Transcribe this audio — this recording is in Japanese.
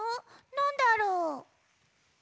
なんだろう？